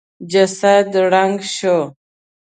جسد ړنګ شو.